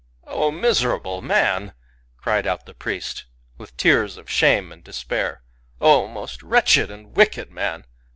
" O miserable man !" cried out the priest, with tears of shame and despair, " O most wretched and wicked man